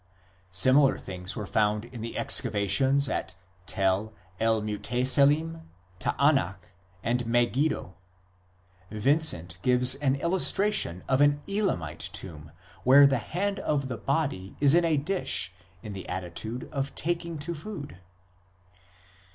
2 Similar things were found in the excavations at Tell el Mutesellim, s Taanach, and Megiddo *; Vincent gives an illustration of an Elamite tomb where the hand of the body is in a dish in the attitude of taking to food.